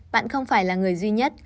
bạn không phải là người duy nhất